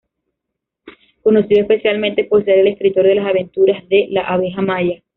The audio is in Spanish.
Conocido especialmente por ser el escritor de las aventuras de "La abeja Maya".